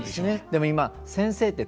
でも今「先生」って。